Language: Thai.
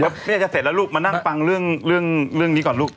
แล้วแม่จะเสร็จแล้วลูกมานั่งฟังเรื่องนี้ก่อนลูก